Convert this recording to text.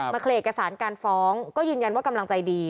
เคลียร์เอกสารการฟ้องก็ยืนยันว่ากำลังใจดี